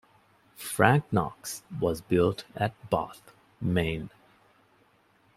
"Frank Knox" was built at Bath, Maine.